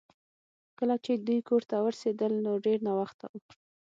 کله چې دوی کور ته ورسیدل نو ډیر ناوخته و